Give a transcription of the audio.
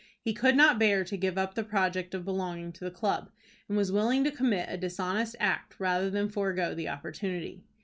He could not bear to give up the project of belonging to the club, and was willing to commit a dishonest act rather than forego the opportunity.